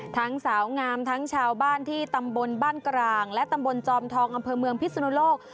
ทั้งสาวงามทั้งชาวบ้านที่ตำบลบ้านกลางและตำบลจอมทองอำเภอเมืองพิศนุโลก